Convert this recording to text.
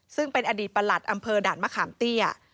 ซึ่งเป็นอดีตประหลัดอำเภอด่านมะขามเตี้ย